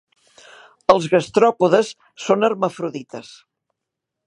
Els gastròpodes són hermafrodites.